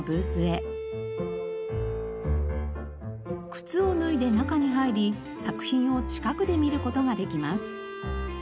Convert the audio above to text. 靴を脱いで中に入り作品を近くで見る事ができます。